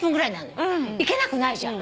行けなくないじゃん？